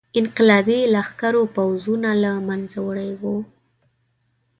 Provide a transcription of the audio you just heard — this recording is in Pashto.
انقلابي لښکرو پوځونه له منځه وړي وو.